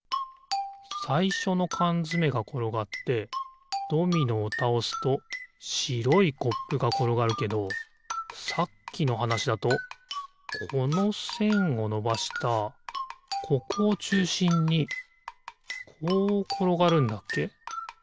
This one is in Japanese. さいしょのかんづめがころがってドミノをたおすとしろいコップがころがるけどさっきのはなしだとこのせんをのばしたここをちゅうしんにこうころがるんだっけ？